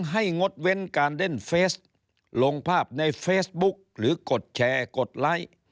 งดเว้นการเล่นเฟสลงภาพในเฟซบุ๊กหรือกดแชร์กดไลค์